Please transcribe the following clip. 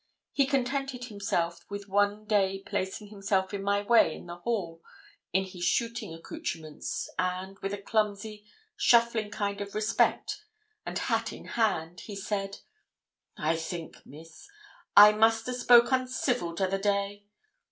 He contented himself with one day placing himself in my way in the hall in his shooting accoutrements, and, with a clumsy, shuffling kind of respect, and hat in hand, he said 'I think, Miss, I must a spoke uncivil t'other day.